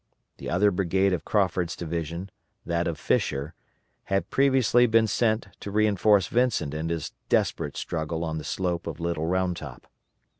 The other brigade of Crawford's division that of Fisher had previously been sent to reinforce Vincent in his desperate struggle on the slope of Little Round Top.